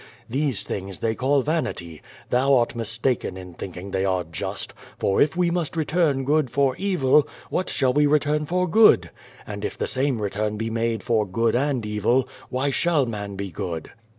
These tlnngs they call vanity. Tliou art mistakeiTin thinking they are just, for if we must return good for evil, wliat shall we return for good? And if the same return be nuide for good and evil, why shall man be good?"